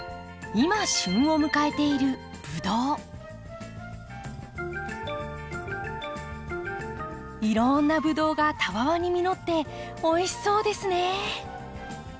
今旬を迎えているいろんなブドウがたわわに実っておいしそうですね。